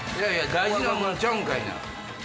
大事なもんちゃうんかいな。